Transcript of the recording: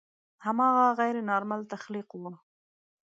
هماغه غیر نارمل تخلیق و.